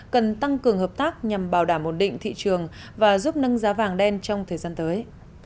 cần tăng cường hợp tác nhằm bảo đảm ổn định thị trường và giúp nâng giá vàng đen trong thời gian tới